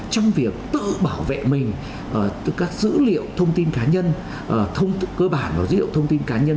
trong việc tự bảo vệ mình các dữ liệu thông tin cá nhân cơ bản dữ liệu thông tin cá nhân